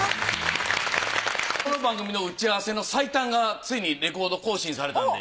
この番組の打ち合わせの最短がついにレコード更新されたんで。